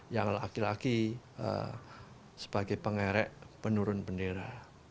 yang laki laki sebagai pengerek penurun bendera